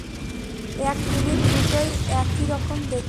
এক মিনিট দুটোই একই রকম দেখতে।